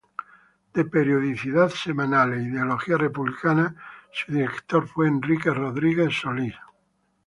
De periodicidad semanal e ideología republicana, su director fue Enrique Rodríguez-Solís.